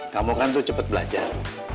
kamu kan tuh cepat belajar